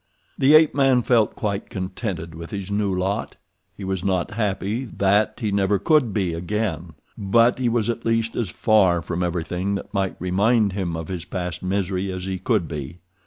The ape man felt quite contented with his new lot. He was not happy—that he never could be again, but he was at least as far from everything that might remind him of his past misery as he could be.